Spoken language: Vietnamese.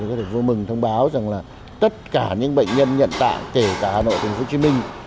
có thể vô mừng thông báo rằng tất cả những bệnh nhân nhận tạng kể cả hà nội hồ chí minh